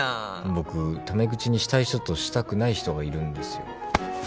僕タメ口にしたい人としたくない人がいるんですよ。